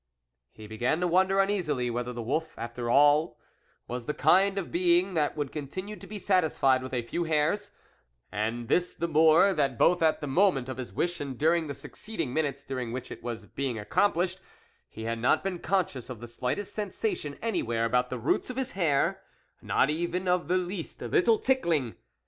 He began to wonder uneasily whether the wolf, after all, was the kind of being that would continue to be satisfied with a few hairs and this the more that both at the moment of his wish and during the succeeding minutes during which it was being accomplished, he had not been conscious of the slightest sensation any where about the roots of his hair, not even of the least little tickling...